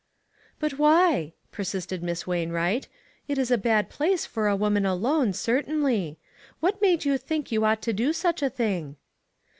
" But why ?" persisted Miss Wainwright, "it is a bad place for a woman alone, cer tainly. What made you think you ought to do such a thing?"